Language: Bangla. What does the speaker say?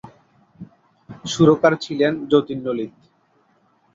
সুরকার ছিলেন যতীন-ললিত।